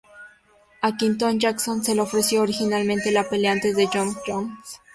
A Quinton Jackson se le ofreció originalmente la pelea antes de Jon Jones.